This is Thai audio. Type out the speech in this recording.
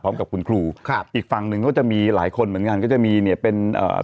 พร้อมกับคุณครูครับอีกฝั่งหนึ่งก็จะมีหลายคนเหมือนกันก็จะมีเนี่ยเป็นเอ่อ